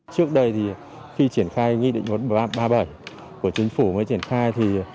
trước đây thì khi triển khai nghị định một nghìn ba trăm ba mươi bảy của chính phủ mới triển khai thì